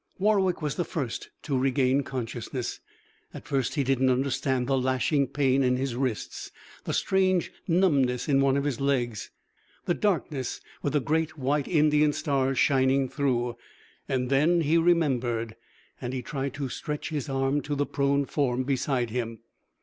Warwick was the first to regain consciousness. At first he didn't understand the lashing pain in his wrists, the strange numbness in one of his legs, the darkness with the great white Indian stars shining through. Then he remembered. And he tried to stretch his arm to the prone form beside him.